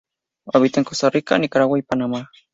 Habita en Costa Rica, Nicaragua y Panamá.